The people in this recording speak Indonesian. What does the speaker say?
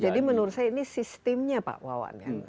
jadi menurut saya ini sistemnya pak pawan